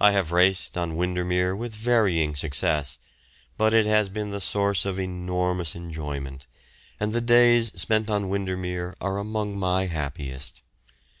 I have raced on Windermere with varying success, but it has been the source of enormous enjoyment, and the days spent on Windermere are among my happiest.